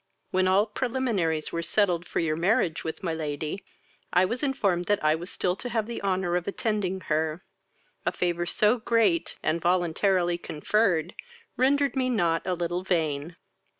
When all preliminaries were settled for your marriage with my lady, I was informed that I was still to have the honour of attending her; a favour so great, and voluntarily conferred, rendered me not a little vain.